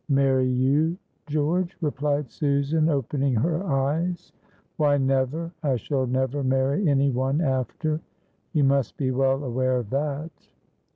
"Marry you, George?" replied Susan, opening her eyes; "why, never! I shall never marry any one after you must be well aware of that."